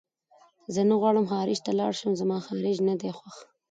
زه نه غواړم خارج ته لاړ شم زما خارج نه دی خوښ